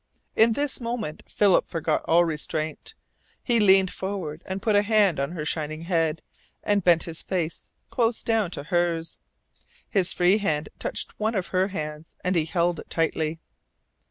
In this moment Philip forgot all restraint. He leaned forward and put a hand on her shining head, and bent his face close down to hers. His free hand touched one of her hands, and he held it tightly.